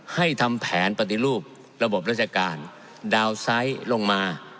ให้ทำแผนปฏิรูประบบราชการดาวน์ไซส์ลงมา